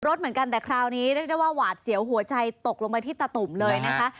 เหมือนกันแต่คราวนี้เรียกได้ว่าหวาดเสียวหัวใจตกลงไปที่ตะตุ่มเลยนะคะ